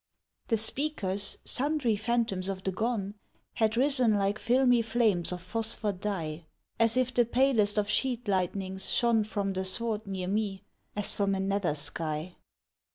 The speakers, sundry phantoms of the gone, Had risen like filmy flames of phosphor dye, As if the palest of sheet lightnings shone From the sward near me, as from a nether sky.